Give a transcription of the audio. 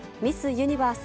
ユニバース